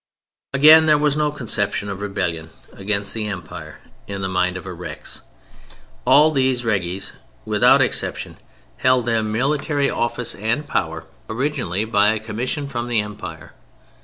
Again, there was no conception of rebellion against the Empire in the mind of a Rex. All these Reges without exception held their military office and power originally by a commission from the Empire.